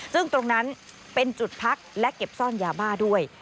ซึ่งตรงนั้นเป็นจุดพักและเก็บซ่อนยาบ้าด้วย